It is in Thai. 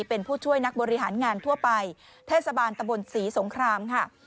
เป็นผู้ช่วยนักบริหารงานทั่วไปเทศบาลตะบนศรีสงครามค่ะ